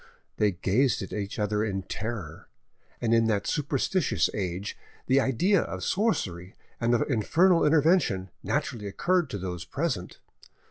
They gazed at each other in terror, and in that superstitious age the idea of sorcery and of infernal intervention naturally occurred to those present.